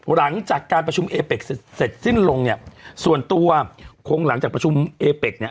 หลังจากการประชุมเอเป็กเสร็จสิ้นลงเนี่ยส่วนตัวคงหลังจากประชุมเอเป็กเนี่ย